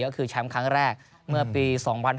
ก็คือแชมป์ครั้งแรกเมื่อปี๒๕๕๙